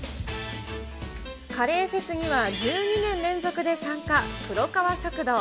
カレーフェスには１２年連続で参加、黒川食堂。